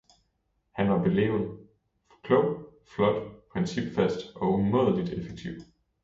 Han var beleven, klog, flot, principfast og umådeligt effektiv.